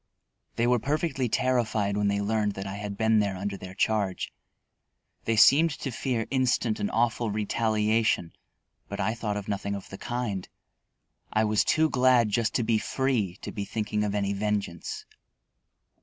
They were perfectly terrified when they learned that I had been there under their charge. They seemed to fear instant and awful retaliation; but I thought of nothing of the kind. I was too glad just to be free to be thinking of any vengeance.